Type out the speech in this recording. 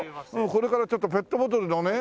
これからちょっとペットボトルのね